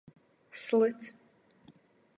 Slyts.